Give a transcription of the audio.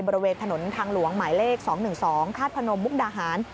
บริเวณถนนทางหลวงหมายเลข๒๑๒ธาตุพนมมุกดาหาร